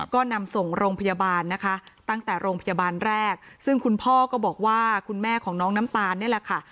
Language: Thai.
ก็นำส่งโรงพยาบาลนะคะตั้งแต่โรงพยาบาลแรกซึ่งคุณพ่อก็บอกว่าคุณแม่ของน้องน้ำตาลนี่แหละค่ะ